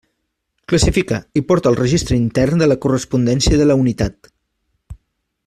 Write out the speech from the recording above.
Classifica i porta el registre intern de la correspondència de la unitat.